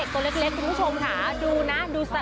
พ่อคือน้องเกิดไม่ทันเลย